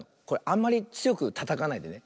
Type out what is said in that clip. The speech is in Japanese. あんまりつよくたたかないでね。